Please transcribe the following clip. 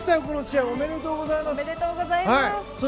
この試合。おめでとうございます。